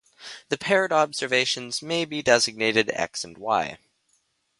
The paired observations may be designated "x" and "y".